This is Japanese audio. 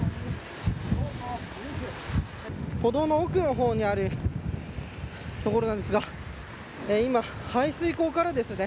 歩道の奥の方にある所なんですが今、排水溝からですね